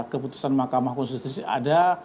keputusan mk ada